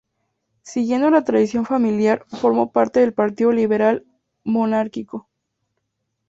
Siguiendo la tradición familiar, formó parte del Partido Liberal monárquico.